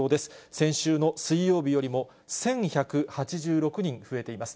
先週の水曜日よりも１１８６人増えています。